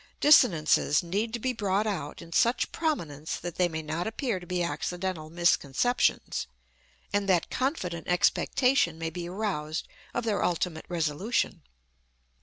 Dissonances need to be brought out in such prominence that they may not appear to be accidental misconceptions, and that confident expectation may be aroused of their ultimate resolution.